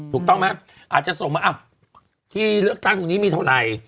ถูกต้องไหมอาจจะส่งมาที่เลือกตั้งตรงนี้มีเท่าไหร่